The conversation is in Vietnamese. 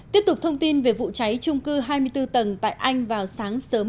tiếp tục thông tin về vụ cháy trung cư hai mươi bốn tầng tại anh vào sáng sớm